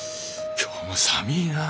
今日も寒いな。